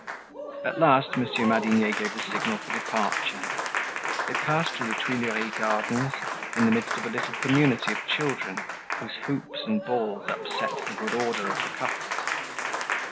At last, Monsieur Madinier gave the signal for departure. They passed through the Tuileries gardens, in the midst of a little community of children, whose hoops and balls upset the good order of the couples.